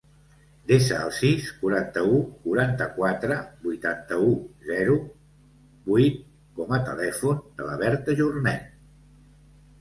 Desa el sis, quaranta-u, quaranta-quatre, vuitanta-u, zero, vuit com a telèfon de la Berta Jornet.